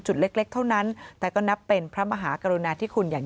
เล็กเท่านั้นแต่ก็นับเป็นพระมหากรุณาธิคุณอย่าง